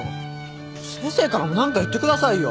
先生からも何か言ってくださいよ。